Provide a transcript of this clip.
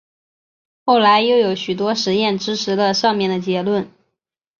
后来又有许多实验支持了上面的结论。